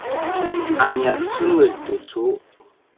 a nia cengelj tucu